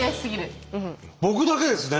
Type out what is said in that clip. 僕だけですね。